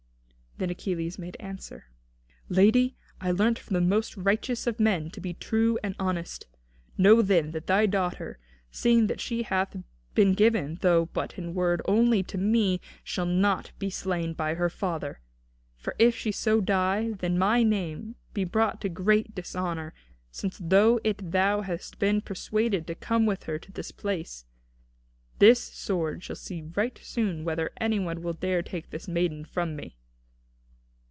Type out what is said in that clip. Then Achilles made answer: "Lady, I learnt from the most righteous of men to be true and honest. Know, then, that thy daughter, seeing that she hath been given, though but in word only, to me, shall not be slain by her father. For if she so die, then shall my name be brought to great dishonour, since through it thou hast been persuaded to come with her to this place. This sword shall see right soon whether anyone will dare to take this maiden from me."